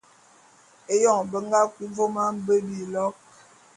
Eyon be nga kui vôm a mbe bilok.